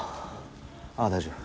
ああ大丈夫。